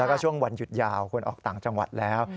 แล้วก็ช่วงวันหยุดยาวคนออกต่างจังหวัดแล้ว